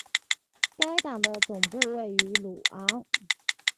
该党的总部位于鲁昂。